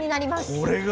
これが。